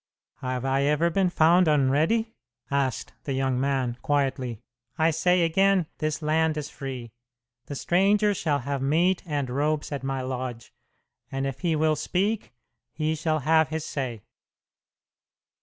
"Have I ever been found unready?" asked the young man, quietly. "I say again, this land is free. The stranger shall have meat and robes at my lodge, and if he will speak, he shall have his say."